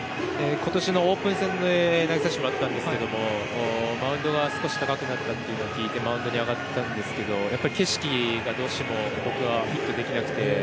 今年のオープン戦で投げさせてもらったんですけどマウンドが少し高くなったというのを聞いてマウンドに上がったんですけど景色がどうしても僕はフィットできなくて。